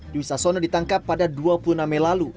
dwi sasono ditangkap pada dua puluh enam mei lalu